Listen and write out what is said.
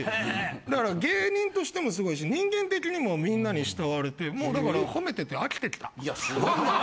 だから芸人としてもすごいし人間的にもみんなに慕われてもうだから。いやすごいね。